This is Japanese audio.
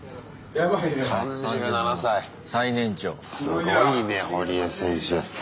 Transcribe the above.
すごいね堀江選手。